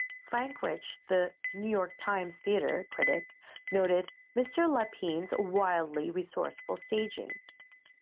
Frank Rich, the "New York Times" theatre critic, noted "Mr. Lapine's wildly resourceful staging.